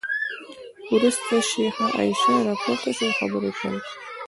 وروسته شیخه عایشه راپورته شوه او خبرې یې پیل کړې.